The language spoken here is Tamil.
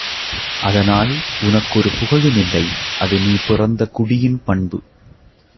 அதனால் உனக்கொரு புகழுமில்லை அது நீ பிறந்த குடியின் பண்பு.